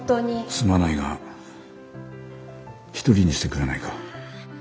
すまないが一人にしてくれないか。